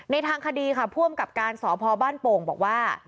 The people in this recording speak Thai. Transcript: ในทางคดีค่ะพ่วงกับการสอบพอบ้านโป่งบอกว่า